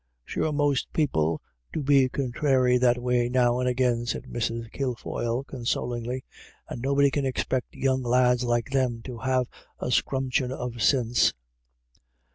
" Sure most people do be contrary that way now and agin," said Mrs. Kilfoyle consolingly, " and nobody can expect young lads like them to have a scrumption of sinse."